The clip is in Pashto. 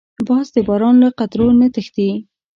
باز د باران له قطرو نه تښتي